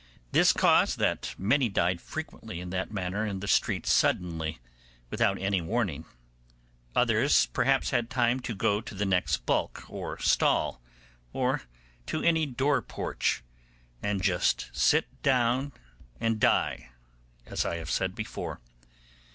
This caused that many died frequently in that manner in the streets suddenly, without any warning; others perhaps had time to go to the next bulk or stall, or to any door porch, and just sit down and die, as I have said before.